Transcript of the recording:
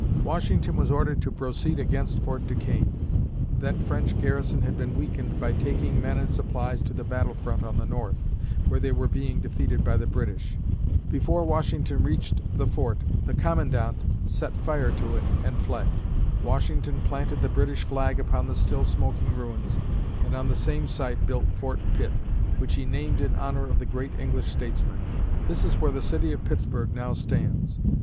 Washington was ordered to proceed against Fort Duquesne. That French garrison had been weakened by taking men and supplies to the battle front on the north, where they were being defeated by the British. Before Washington reached the fort, the commandant set fire to it and fled. Washington planted the British flag upon the still smoking ruins and on the same site built Fort Pitt, which he named in honor of the great English statesman. This is where the city of Pittsburgh now stands.